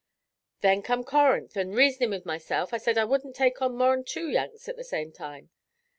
Then come Corinth, an,' reasonin' with myself, I said I wouldn't take on more'n two Yanks at the same time.